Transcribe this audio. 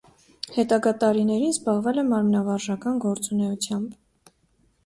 Հետագա տարիներին զբաղվել է մանկավարժական գործունեությամբ։